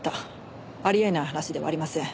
あり得ない話ではありません。